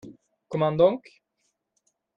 Comment donc ?